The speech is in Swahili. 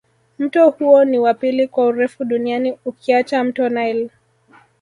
Mto huo ni wa pili kwa urefu duniani ukiacha mto nile